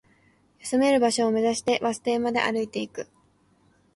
休める場所を目指して、バス停まで歩いていく